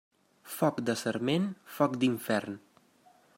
Foc de sarment, foc d'infern.